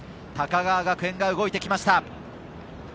高川学園が動いてきました。